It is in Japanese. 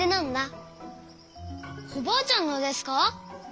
おばあちゃんのですか？